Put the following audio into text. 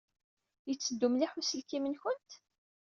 Yetteddu mliḥ uselkim-nwent?